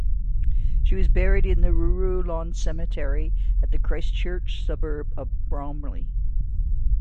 She was buried at the Ruru Lawn Cemetery in the Christchurch suburb of Bromley.